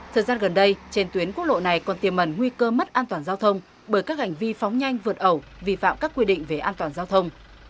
thời gian gần đây trên tuyến quốc lộ này còn tiềm mẩn nguy cơ mất an toàn giao thông bởi các hành vi phóng nhanh vượt ẩu vi phạm các quy định về an toàn giao thông